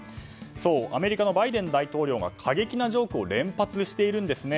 アメリカのバイデン大統領が過激なジョークを連発しているんですね。